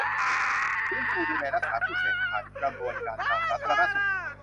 ฟื้นฟูดูแลรักษาผู้เสพผ่านกระบวนการทางสาธารณสุข